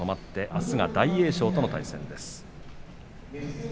あすは大栄翔との対戦です。